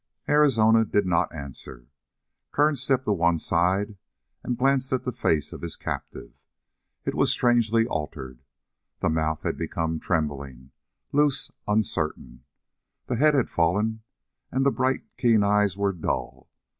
Arizona did not answer. Kern stepped to one side and glanced at the face of his captive. It was strangely altered. The mouth had become trembling, loose, uncertain. The head had fallen, and the bright, keen eyes were dull.